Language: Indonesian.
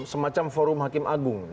semacam forum hakim agung